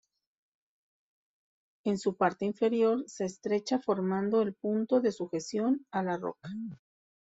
En su parte inferior se estrecha formando el punto de sujeción a la roca.